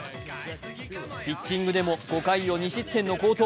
ピッチングでも５回を２失点の好投。